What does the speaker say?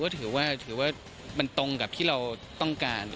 ก็ถือว่าถือว่ามันตรงกับที่เราต้องการ